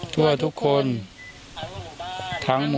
สวัสดีครับ